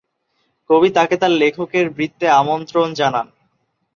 কবি তাকে তার লেখকের বৃত্তে আমন্ত্রণ জানান।